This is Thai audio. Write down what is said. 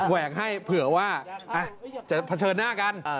แหวกให้เผื่อว่าจะเผชิญหน้ากัน